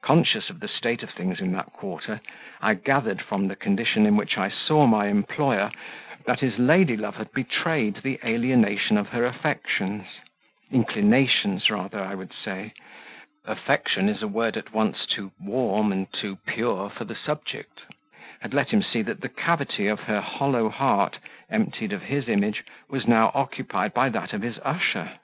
Conscious of the state of things in that quarter, I gathered, from the condition in which I saw my employer, that his lady love had betrayed the alienation of her affections inclinations, rather, I would say; affection is a word at once too warm and too pure for the subject had let him see that the cavity of her hollow heart, emptied of his image, was now occupied by that of his usher.